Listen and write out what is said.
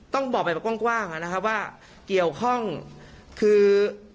ต้องบอกแบบกว้างนะครับว่าเกี่ยวข้องคือ